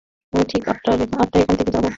আমি ঠিক আটটায় এখান থেকে যাব।